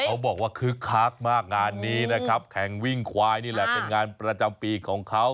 บอกว่าคึกคักมากงานนี้นะครับแข่งวิ่งควายนี่แหละเป็นงานประจำปีของเขา